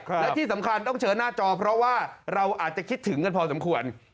และที่สำคัญต้องเชิญหน้าจอเพราะว่าเราอาจจะคิดถึงกันพอสมควร